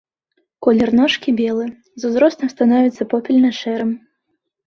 Колер ножкі белы, з узростам становіцца попельна-шэрым.